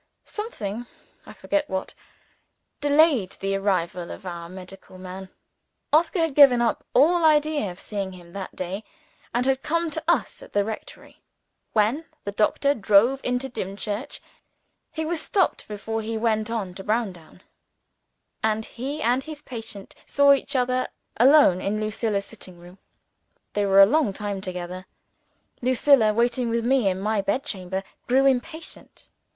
Something I forget what delayed the arrival of our medical man. Oscar had given up all idea of seeing him that day, and had come to us at the rectory when the doctor drove into Dimchurch. He was stopped before he went on to Browndown; and he and his patient saw each other alone in Lucilla's sitting room. They were a long time together. Lucilla, waiting with me in my bed chamber, grew impatient.